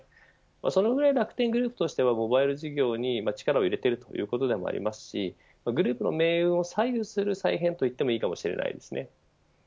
そのぐらい楽天グループとしてはモバイル事業に力を入れているということでもありますしグループの命運を左右する再編と言ってもいいかもしれないですね。